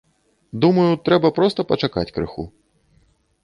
Думаю, трэба проста пачакаць крыху.